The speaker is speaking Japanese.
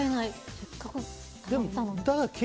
せっかくためたのに。